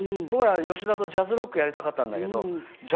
僕は、吉田とジャズロックやりたかったんだけど。